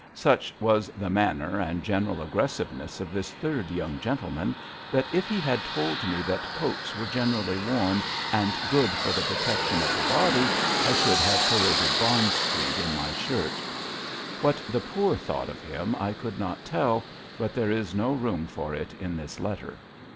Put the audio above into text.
Such was the manner and general aggressiveness of this third young gentleman, that if he had told me that coats were generally worn and good for the protection of the body, I should have paraded 260 ABAFT THE FUNNEE Bond Street in my shirt. What the poor thonght of him I conld not tell, but there is no room for it in this letter.